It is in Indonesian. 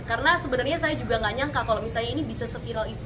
karena sebenarnya saya juga nggak nyangka kalau misalnya ini bisa se viral itu